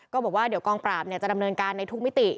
บอกว่าเดี๋ยวกองปราบจะดำเนินการในทุกมิติ